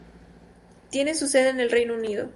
Tiene su sede en el Reino Unido.